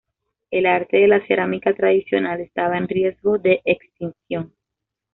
El arte de la cerámica tradicional estaba en riesgo de extinción.